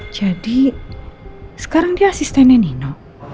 jadi sekarang dia asistennya nino